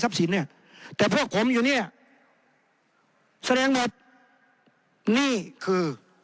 ทรัพย์สิทธิ์เนี่ยแต่พวกผมอยู่เนี่ยเสร็จเน็ตนี้คือ